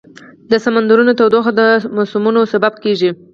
د سمندرونو تودوخه د موسمونو سبب کېږي.